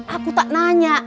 aku tak nanya